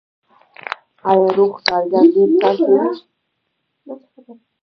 آیا روغ کارګر ډیر کار کوي؟